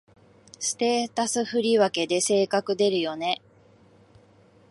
ステータス振り分けで性格出るよね